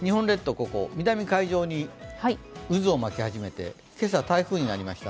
ここ、南海上に渦を巻き始めて今朝、台風になりました。